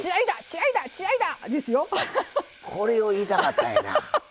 これを言いたかったんやな。